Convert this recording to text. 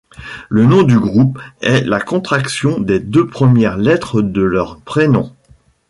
Le nom du groupe est la contraction des deux premières lettres de leurs prénoms.